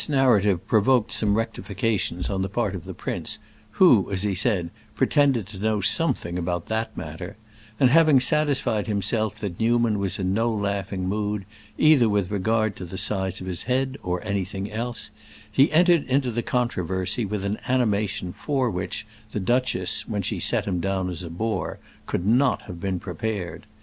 This narrative provoked some rectifications on the part of the prince, who, as he said, pretended to know something about that matter; and having satisfied himself that Newman was in no laughing mood, either with regard to the size of his head or anything else, he entered into the controversy with an animation for which the duchess, when she set him down as a bore, could not have been prepared.